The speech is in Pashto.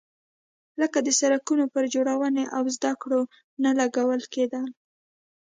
لکه د سړکونو پر جوړونې او زده کړو نه لګول کېدل.